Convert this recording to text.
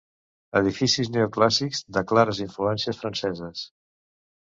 Edifici neoclàssic de clares influències franceses.